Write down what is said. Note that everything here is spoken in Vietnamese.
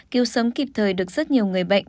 cứu sớm kịp thời được rất nhiều người bệnh